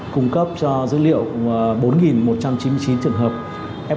cung cấp cho dữ liệu bốn một trăm chín mươi chín trường hợp